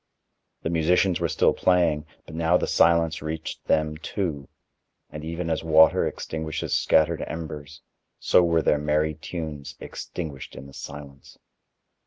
The musicians were still playing, but now the silence reached them too, and even as water extinguishes scattered embers, so were their merry tunes extinguished in the silence.